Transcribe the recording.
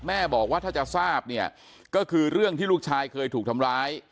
บอกว่าถ้าจะทราบเนี่ยก็คือเรื่องที่ลูกชายเคยถูกทำร้าย